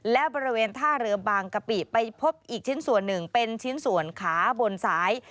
และบริเวณท่าเรือบางกะปิไปพบอีกชิ้นส่วนหนึ่งเป็นชิ้นส่วนขาบนสาย